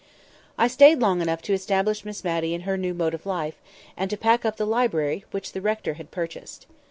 I just stayed long enough to establish Miss Matty in her new mode of life, and to pack up the library, which the rector had purchased.